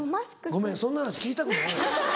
ごめんそんな話聞きたくない。